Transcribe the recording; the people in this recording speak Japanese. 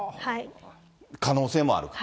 可能性もある。